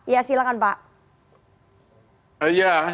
ya silahkan pak